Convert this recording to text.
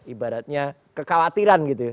ibaratnya kekhawatiran gitu